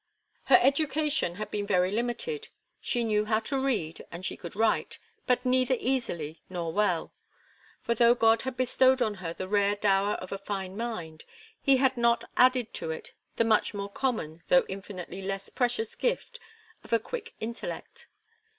Her education had been very limited. She knew how to read, and she could write, but neither easily nor well. For though God had bestowed on her the rare dower of a fine mind, He had not added to it the much more common, though infinitely less precious gift, of a quick intellect.